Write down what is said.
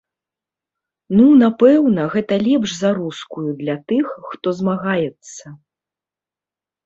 Ну напэўна, гэта лепш за рускую для тых, хто змагаецца?